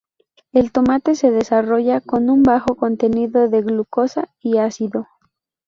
El tomate se desarrolla con un bajo contenido de glucosa y ácido.